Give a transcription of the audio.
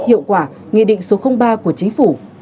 hiệu quả nghi định số ba của chính phủ